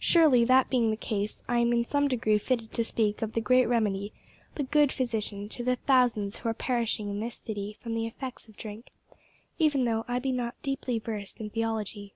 Surely, that being the case, I am in some degree fitted to speak of the Great Remedy the Good Physician to the thousands who are perishing in this city from the effects of drink, even though I be not deeply versed in theology.